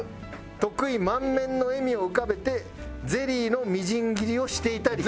「得意満面の笑みを浮かべてゼリーのみじん切りをしていたり」